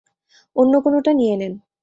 অন্য কোনোটা নিয়ে নিন।